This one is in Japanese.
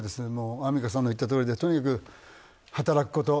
アンミカさんの言ったとおりでとにかく働くこと。